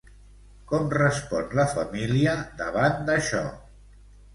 Com respon la família davant d'això?